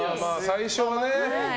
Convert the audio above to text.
最初はね。